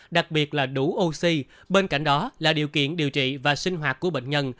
đặc biệt là đủ oxy bên cạnh đó là điều kiện điều trị và sinh hoạt của bệnh nhân